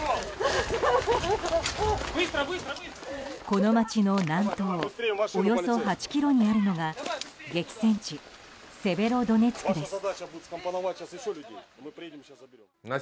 この街の南東およそ８ｋｍにあるのが激戦地セベロドネツクです。